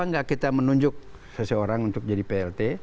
kenapa tidak kita menunjuk seseorang untuk jadi plt